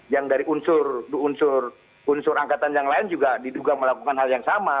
yang dari unsur angkatan yang lain juga diduga melakukan hal yang sama